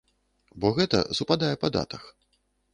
Бо гэта супадае па датах.